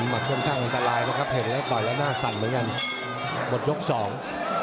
ค่อนข้างอันตรายแล้วครับเห็นแล้วต่อยแล้วหน้าสั่นเหมือนกันหมดยกสอง